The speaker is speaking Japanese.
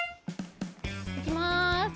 いきます。